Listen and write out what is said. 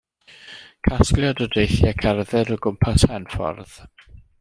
Casgliad o deithiau cerdded o gwmpas Henffordd.